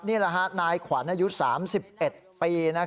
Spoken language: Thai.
นี่แหละฮะนายขวัญอายุ๓๑ปี